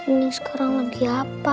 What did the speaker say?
ini sekarang lagi apa